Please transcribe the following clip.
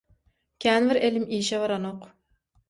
Kän bir elim işe baranok.